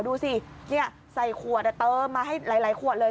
ดูสิใส่ขวดเติมมาให้หลายขวดเลย